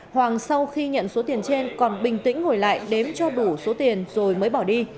hoàng sau khi nhận số tiền trên còn bình tĩnh ngồi lại đếm cho đủ số tiền rồi mới bỏ đi